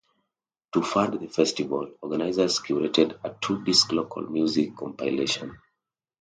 To fund the festival, organizers curated a two-disc local music compilation.